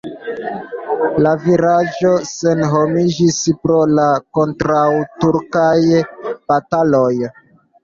La vilaĝo senhomiĝis pro la kontraŭturkaj bataloj.